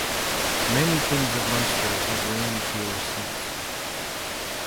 Many kings of Munster have reigned here since.